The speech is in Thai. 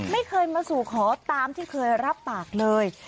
ไม่เคยมาสู่ขอตามที่เคยรับปากเลย